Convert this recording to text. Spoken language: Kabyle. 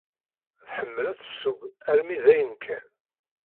Tḥemmel ad tesseww armi dayen kan.